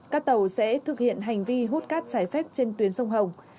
các tàu sẽ thực hiện hành vi hút cát trái phép trên tuyến sông hồng